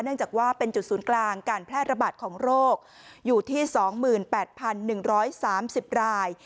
จากว่าเป็นจุดศูนย์กลางการแพร่ระบาดของโรคอยู่ที่๒๘๑๓๐ราย